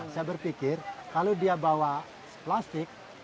saya berpikir kalau dia bawa plastik